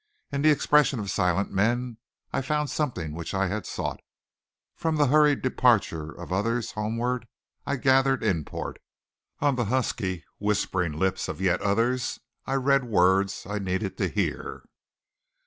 In the expression of silent men I found something which I had sought; from the hurried departure of others homeward I gathered import; on the husky, whispering lips of yet others I read words I needed to hear.